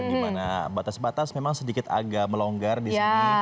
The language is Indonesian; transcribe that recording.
dimana batas batas memang sedikit agak melonggar di sini